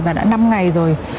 và đã năm ngày rồi